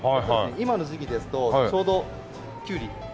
今の時期ですとちょうどキュウリナス。